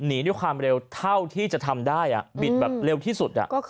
หนีด้วยความเร็วเท่าที่จะทำได้บิดแบบเร็วที่สุด